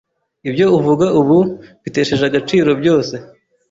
Ibyo uvuga ubu mbitesheje agaciro byose